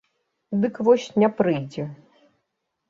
Дык вось не прыйдзе.